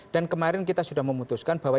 dan kemarin kita sudah memutuskan bahwa